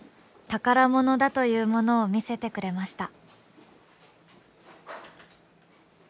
宝物だというものを見せてくれました。